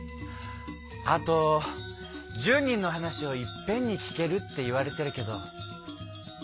あと１０人の話をいっぺんに聞けるっていわれてるけど。